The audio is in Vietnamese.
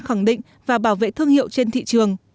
khẳng định và bảo vệ thương hiệu trên thị trường